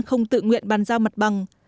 không tự nguyện bàn giao mặt bằng